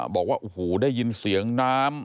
บอกว่าได้ยินเสียงน้ำ